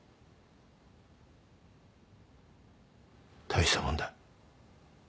大したもんだ。